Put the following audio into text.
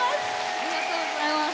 ありがとうございます。